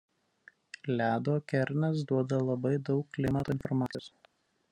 Ledo kernas duoda labai daug klimato informacijos.